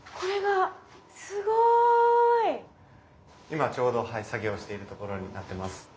今ちょうど作業しているところになってます。